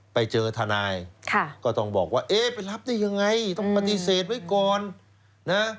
ไปเจอทนายก็ต้องบอกว่าเอ๊ะไปรับได้ยังไงต้องปฏิเสธไว้ก่อนนะ